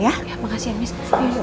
ya makasih ya miss